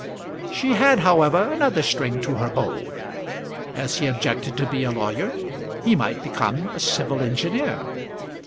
She had, however, another string to her bow. As he objected to be a lawyer, he might become a civil engineer.